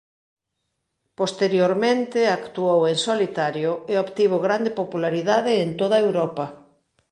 Posteriormente actuou en solitario e obtivo grande popularidade en toda Europa.